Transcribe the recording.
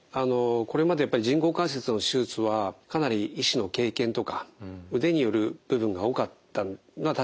これまでやっぱり人工関節の手術はかなり医師の経験とか腕による部分が多かったのは確かです。